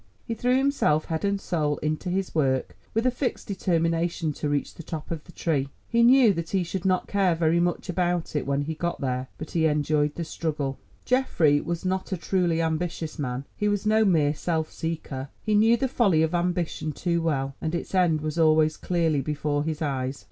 He threw himself head and soul into his work with a fixed determination to reach the top of the tree. He knew that he should not care very much about it when he got there, but he enjoyed the struggle. Geoffrey was not a truly ambitious man; he was no mere self seeker. He knew the folly of ambition too well, and its end was always clearly before his eyes.